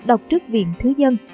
đọc trước viện thứ nhân